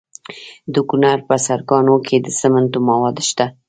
د کونړ په سرکاڼو کې د سمنټو مواد شته.